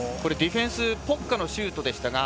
ディフェンスポッカのシュートでした。